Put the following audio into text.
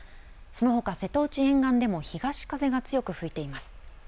そのほか瀬戸内沿岸でも東風が強く吹いています。